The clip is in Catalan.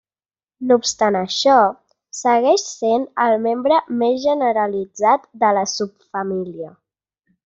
No obstant això, segueix sent el membre més generalitzat de la subfamília.